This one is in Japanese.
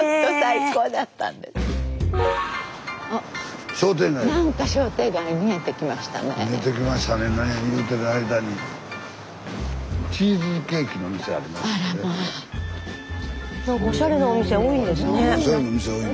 スタジオ何かおしゃれなお店多いんですね。